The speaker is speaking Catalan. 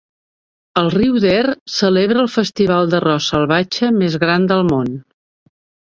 El riu Deer celebra el festival d'arròs salvatge més gran del món.